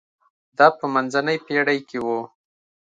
دا په منځنۍ پېړۍ کې و.